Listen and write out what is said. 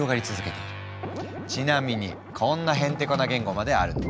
ちなみにこんなへんてこな言語まであるの。